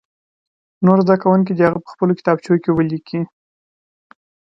نور زده کوونکي دې هغه په خپلو کتابچو کې ولیکي.